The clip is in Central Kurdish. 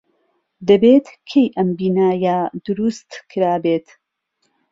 دەبێت کەی ئەم بینایە دروست کرابێت.